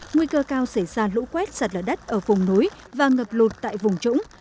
nguy cơ cao xảy ra lũ quét sạt lở đất ở vùng núi và ngập lụt tại vùng trũng